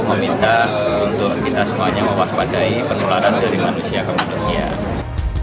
meminta untuk kita semuanya mewaspadai penularan dari manusia ke manusia